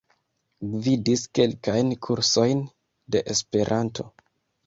Gvidis kelkajn kursojn de Esperanto.